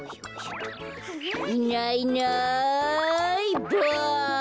いないいないばあ！